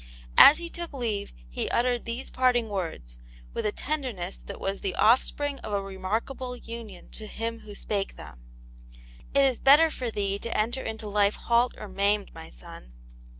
As he took leave, he uttered these parting words, with a tenderness that was the offspring of a remarkable union to Him who spake them : "It is better for thee to enter into life halt or maimed, my son."